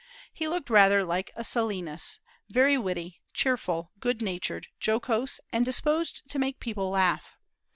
He looked rather like a Silenus, very witty, cheerful, good natured, jocose, and disposed to make people laugh.